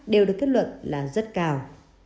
đều được kết luận là rất cao